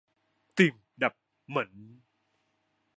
tim đập mạnh